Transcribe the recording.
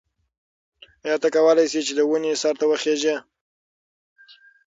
ایا ته کولای شې چې د ونې سر ته وخیژې؟